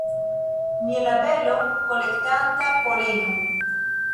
Mielabelo kolektanta polenon.